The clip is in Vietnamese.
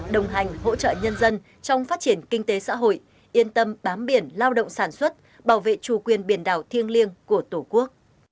đồng hành hỗ trợ nhân dân trong phát triển kinh tế xã hội yên tâm bám biển lao động sản xuất bảo vệ chủ quyền biển đảo thiêng liêng của tổ quốc